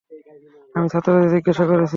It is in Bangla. আমি ছাত্রদের জিজ্ঞাসা করেছি।